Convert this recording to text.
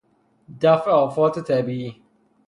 دفع آفات طبیعی